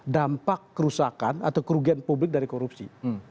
dampak kerusakan atau kerugian publik dari korupsi